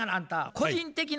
個人的な？